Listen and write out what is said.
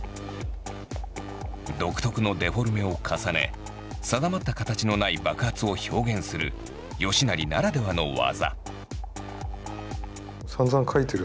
独特のデフォルメを重ね定まった形のない爆発を表現する吉成ならではの技。